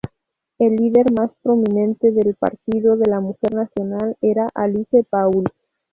La lider más prominente del partido de la Mujer Nacional era Alice Paul.